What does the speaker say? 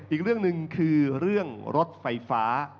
อีกเรื่องหนึ่งคือเรื่องรถไฟฟ้า